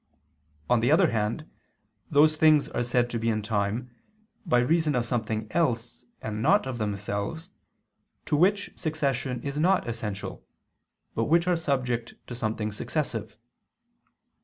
On the other hand, those things are said to be in time, by reason of something else and not of themselves, to which succession is not essential, but which are subject to something successive.